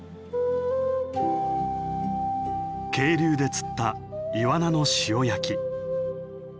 渓流で釣ったイワナの塩焼き。